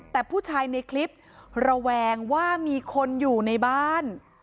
แต่ผู้ชายในคลิประแวงว่ามีคนอยู่ในบ้าน